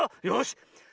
よし。